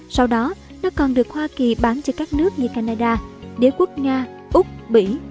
sau đó nó còn được hoa kỳ bán cho các nước như canada đế quốc nga úc mỹ